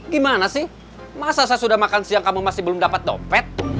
gimana sih masa saya sudah makan siang kamu masih belum dapat dompet